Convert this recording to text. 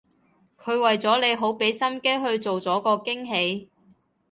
佢為咗你好畀心機去做咗個驚喜